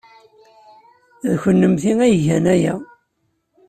D kennemti ay igan aya.